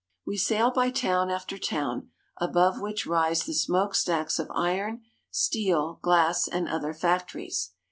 We sail by town after town, above which rise the smoke stacks of iron, steel, glass, and other factories.